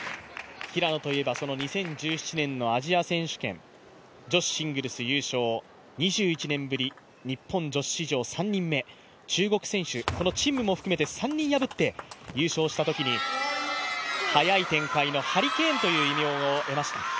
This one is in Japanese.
平野といえば２０１７年のアジア選手権、女子シングルス優勝、２１年ぶり日本女子史上３人目、中国選手、この陳夢も含めて３人破って優勝したときに速い展開のハリケーンという異名を得ました。